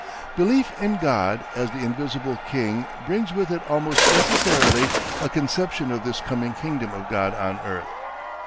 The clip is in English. Belief in God as the Invisible King brings with it almost necessarily a conception of this coming kingdom of God on earth.